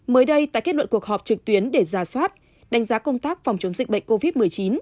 mới đây tại kết luận cuộc họp trực tuyến để ra soát đánh giá công tác phòng chống dịch bệnh covid một mươi chín